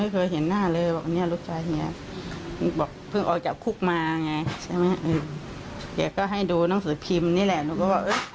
ก็ก็ให้ดูหนังสือพิมพ์นี่แหละ